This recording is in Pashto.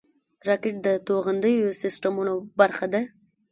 راکټ د توغندیزو سیسټمونو برخه ده